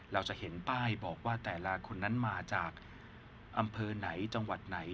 เราจะเห็นป้ายบอกว่าแต่ละคนนั้นมาจากอำเภอไหนจังหวัดไหน